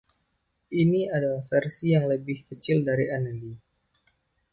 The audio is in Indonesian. Ini adalah versi yang lebih kecil dari Anelli.